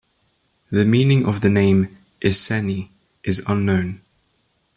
The meaning of the name "Iceni" is unknown.